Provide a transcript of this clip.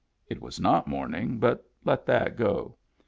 It was not morn ing, but let that go.